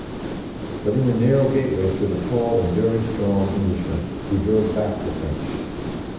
But in the narrow gateway stood a tall and very strong Englishman, who drove back the French.